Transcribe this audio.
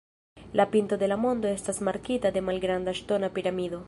La pinto de la monto estas markita de malgranda ŝtona piramido.